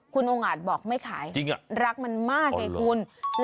คุณองอาจบอกไม่ขายรักมันมากให้คุณจริงเหรอ